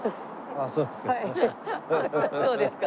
ああそうですか。